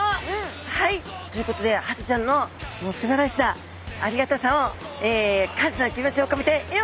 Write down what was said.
はいということでハタちゃんのすばらしさありがたさを感謝の気持ちを込めて絵を描きました。